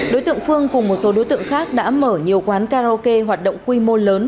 đối tượng phương cùng một số đối tượng khác đã mở nhiều quán karaoke hoạt động quy mô lớn